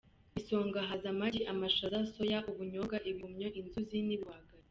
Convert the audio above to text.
Ku isonga haza amagi, amashaza, soya, ubunyobwa, ibihumyo, inzuzi z’ibihwagari.